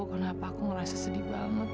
kenapa aku ngerasa sedih banget